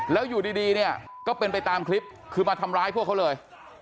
แล้วอยู่ดีเนี่ยก็เป็นไปตามคลิปคือมาทำร้ายพวกเขาเลย